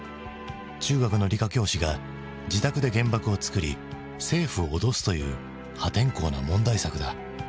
中学の理科教師が自宅で原爆を作り政府を脅すという破天荒な問題作だ。